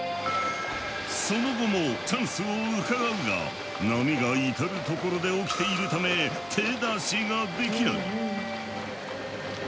その後もチャンスをうかがうが波が至る所で起きているため手出しができない。